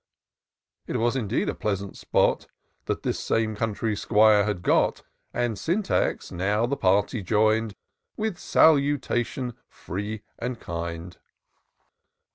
It was indeed a pleasant spot. That this same country 'Squire had^ot ; And Syntax now the party Join'd With salutation free and kind.